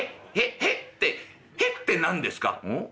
「『へ』って『へ』って何ですか？」。